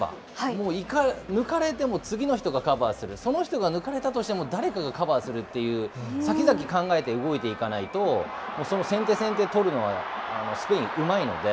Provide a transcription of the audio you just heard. もう抜かれても次の人がカバーする、その人が抜かれたとしても誰かがカバーするという、先々考えて動いていかないと、その先手、先手取るのはスペイン、うまいので。